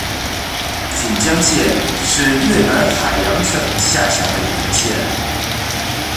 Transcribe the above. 锦江县是越南海阳省下辖的一个县。